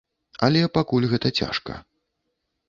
Але пакуль гэта цяжка.